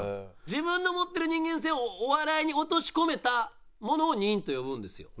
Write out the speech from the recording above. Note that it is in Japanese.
自分の持ってる人間性をお笑いに落とし込めたものを人と呼ぶんですよ。